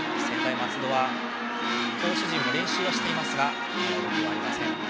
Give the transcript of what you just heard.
松戸は投手陣も練習をしていますがまだ動きはありません。